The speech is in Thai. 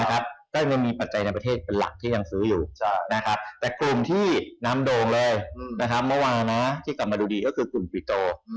ก็ยังมีปัจจัยในประเทศเป็นหลักที่ยังซื้ออยู่แต่กลุ่มที่นำโด่งเลยเมื่อวานที่กลับมาดูดีก็คือกลุ่มปิโต